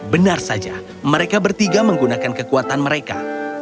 benar saja mereka bertiga menggunakan kekuatan mereka